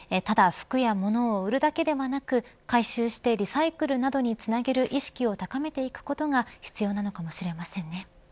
ただ、服や物を売るだけではなく回収してリサイクルなどにつなげる意識を高めていくことが必要なのかもしれませんね。